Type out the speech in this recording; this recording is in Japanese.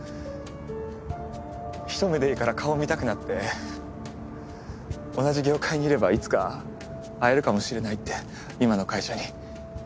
ひと目でいいから顔を見たくなって同じ業界にいればいつか会えるかもしれないって今の会社に。